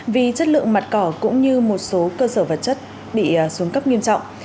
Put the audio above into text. vì chất lượng mặt cỏ cũng như một số cơ sở vật chất bị xuống cấp nghiêm trọng